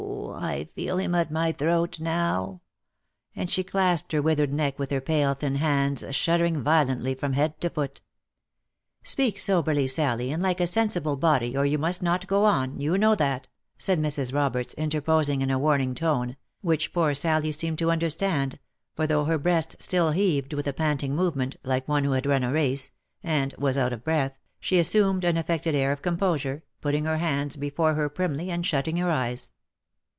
I feel him at my throat now !" and she clasped her withered neck with her pale thin hands, shuddering vio lently from head to foot. " Speak soberly, Sally, and like a sensible body, or you must not go on, you know that," said Mrs. Roberts, interposing in a warning tone, which poor Sally seemed to understand, for though her breast still heaved with a panting movement, like one who had run a race, and was out of breath, she assumed an affected air of composure, put ting her hands before her primly, and shutting her eyes.